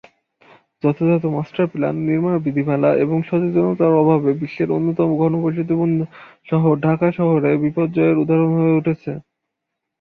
যথাযথ master plan, নির্মাণ বিধিমালা এবং সচেতনতার অভাবে বিশ্বের অন্যতম ঘনবসতিপূর্ণ শহর ঢাকা শহুরে বিপর্যয়ের উদাহরণ হয়ে উঠেছে।